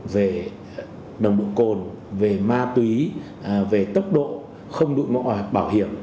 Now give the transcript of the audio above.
về nồng độ cồn về ma túy về tốc độ không đụng bảo hiểm